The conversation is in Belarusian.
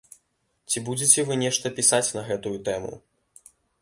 Ці будзеце вы нешта пісаць на гэтую тэму?